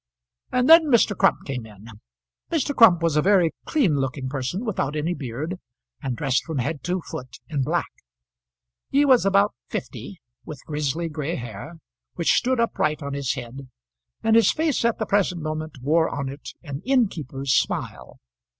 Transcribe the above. And then Mr. Crump came in. Mr. Crump was a very clean looking person, without any beard; and dressed from head to foot in black. He was about fifty, with grizzly gray hair, which stood upright on his head, and his face at the present moment wore on it an innkeeper's smile.